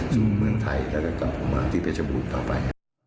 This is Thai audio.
สู่เมืองไทยแล้วก็กลับมาติเบจบุรณต่อไป